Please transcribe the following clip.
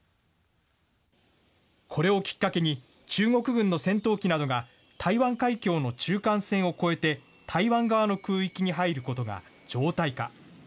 これをきっかけに、中国軍の戦闘機などが、台湾海峡の中間線を越えて、台湾側の空域に入ることが常態化。